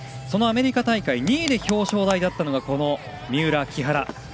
そのアメリカ大会、２位で表彰台だったのがこの三浦、木原。